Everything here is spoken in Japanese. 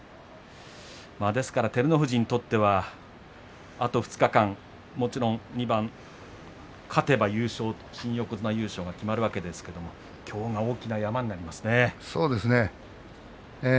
ですから照ノ富士にとってはあと２日間もちろん２番勝てば優勝、新横綱優勝が決まるわけですけれどもそうですね。